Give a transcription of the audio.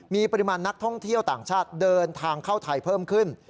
มีปริมาณนักท่องเที่ยวต่างชาติเดินทางเข้าไทยเพิ่มขึ้น